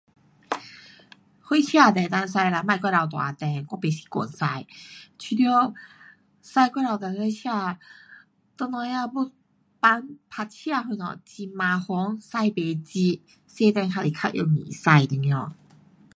什车都可以驾啦，别过头大辆，我不习惯驾。觉得驾过头大辆车，等下呀要 pump, park 车什么，很麻烦，驾不进。小辆还会较容易驾一点。